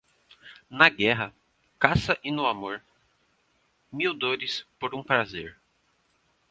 Na guerra, caça e no amor - mil dores por um prazer.